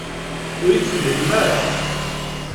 Ur iyi-tefhimem ara.